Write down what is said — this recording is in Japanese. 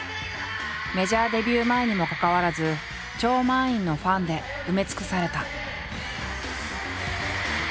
メジャーデビュー前にもかかわらず超満員のファンで埋め尽くされた。